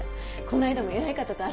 この間も偉い方と。